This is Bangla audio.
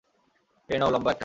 এই নাও লম্বা একটা।